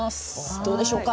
どうでしょうか？